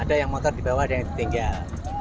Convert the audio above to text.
ada yang motor dibawa ada yang ditinggal